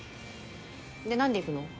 でなんで行くの？